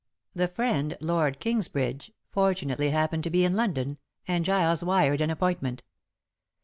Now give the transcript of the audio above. The friend, Lord Kingsbridge, fortunately happened to be in London, and Giles wired an appointment.